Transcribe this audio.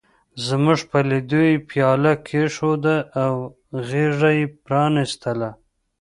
زموږ په لیدو یې پياله کېښوده او غېږه یې پرانستله.